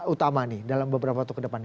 utama nih dalam beberapa waktu ke depan